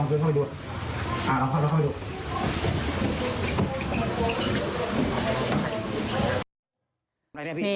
เขาไปอยู่ข้างในด้านแหละค่ะ